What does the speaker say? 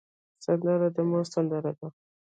سندره د مور سندره ده